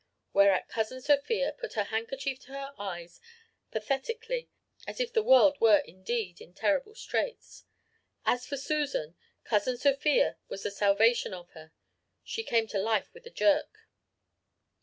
"Whereat Cousin Sophia put her handkerchief to her eyes pathetically as if the world were indeed in terrible straits. As for Susan, Cousin Sophia was the salvation of her. She came to life with a jerk.